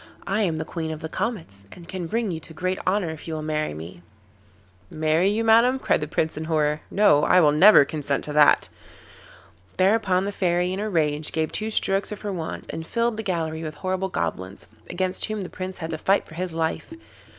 I am the Queen of the Comets, and can bring you to great honour if you will marry me.' 'Marry you, Madam,' cried the Prince, in horror. 'No, I will never consent to that.' Thereupon the Fairy, in a rage, gave two strokes of her wand and filled the gallery with horrible goblins, against whom the Prince had to fight for his life.